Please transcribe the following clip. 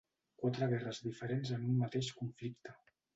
Quatre guerres diferents en un mateix conflicte.